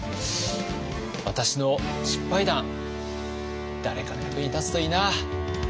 私の失敗談誰かの役に立つといいな。